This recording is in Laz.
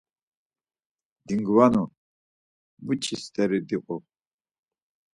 Dingvanu, buç̌i st̆eri diu!